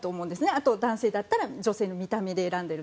あと、男性だったら女性の見た目で選んでる。